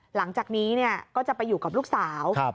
หลังจากนี้ก็จะไปอยู่กับลูกสาว